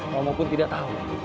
romo pun tidak tahu